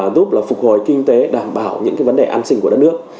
giúp phục hồi kinh tế đảm bảo những cái vấn đề an sinh của đất nước